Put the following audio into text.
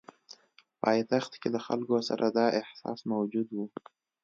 پایتخت کې له خلکو سره دا احساس موجود وو.